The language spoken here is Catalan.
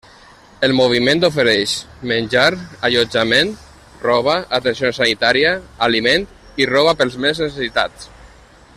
El moviment ofereix: menjar, allotjament, roba, atenció sanitària, aliment, i roba pels més necessitats.